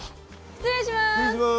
失礼します。